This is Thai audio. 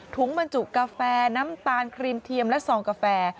บรรจุกาแฟน้ำตาลครีมเทียมและซองกาแฟ